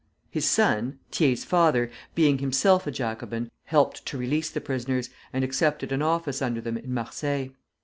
His son (Thiers' father), being himself a Jacobin, helped to release the prisoners, and accepted an office under them in Marseilles.